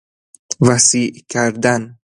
وسیع کردن